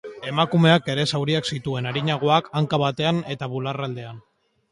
Emakumeak ere zauriak zituen, arinagoak, hanka batean eta bularraldean.